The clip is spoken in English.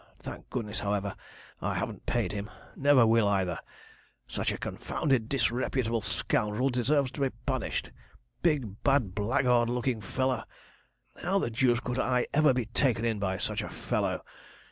Thank goodness, however, I haven't paid him never will, either. Such a confounded, disreputable scoundrel deserves to be punished big, bad, blackguard looking fellow! How the deuce I could ever be taken in by such a fellow!